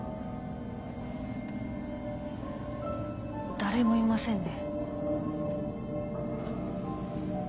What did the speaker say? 誰もいませんね。